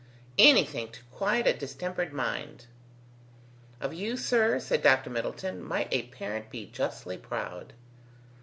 Anything to quiet a distempered mind." "Of you, sir," said Dr. Middleton, "might a parent be justly proud."